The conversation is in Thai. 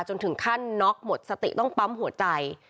จนถึงขั้นน็อกหมดสติต้องปั๊มหัวใจ